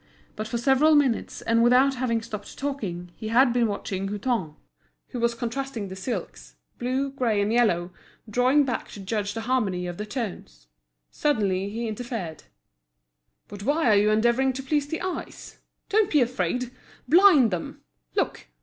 But for several minutes, and without having stopped talking, he had been watching Hutin, who was contrasting the silks—blue, grey, and yellow—drawing back to judge of the harmony of the tones. Suddenly he interfered: "But why are you endeavouring to please the eyes? Don't be afraid; blind them. Look!